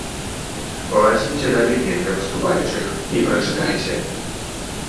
Вазьміце даведнік для паступаючых і прачытайце!